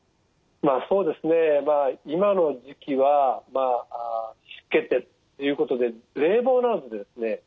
そうですね今の時期は湿気てるということで冷房などでですね